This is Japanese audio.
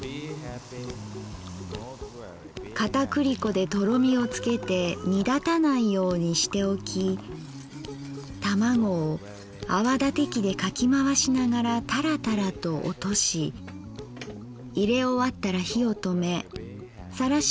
片栗粉でとろみをつけて煮だたないようにしておき玉子を泡立て器でかきまわしながらタラタラと落としいれ終わったら火をとめさらし